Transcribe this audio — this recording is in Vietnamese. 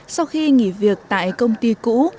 sau khi nghỉ việc tại công ty cũ